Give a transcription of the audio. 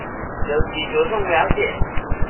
尤其著重了解